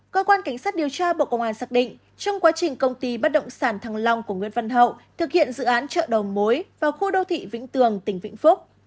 cơ quan cảnh sát điều tra bộ công an xác định trong quá trình công ty bất động sản thăng long của nguyễn văn hậu thực hiện dự án chợ đầu mối vào khu đô thị vĩnh tường tỉnh vĩnh phúc